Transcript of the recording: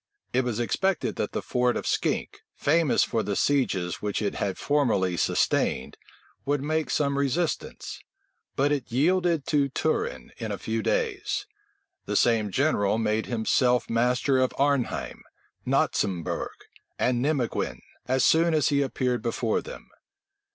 It was expected that the fort of Skink, famous for the sieges which it had formerly sustained, would make some resistance; but it yielded to Turenne in a few days. The same general made himself master of Arnheim, Knotzembourg, and Nimeguen, as soon as he appeared before them.